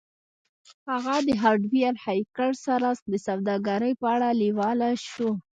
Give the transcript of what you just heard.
هغه د هارډویر هیکر سره د سوداګرۍ په اړه لیواله شو